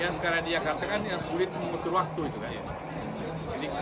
yang sekarang di jakarta kan yang sulit membetul waktu itu kan